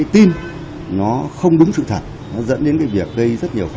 tối ngày hai mươi ba